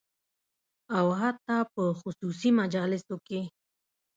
او حتی په خصوصي مجالسو کې